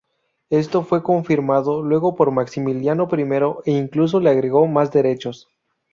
Esto fue confirmado luego por Maximiliano I e incluso le agregó más derechos.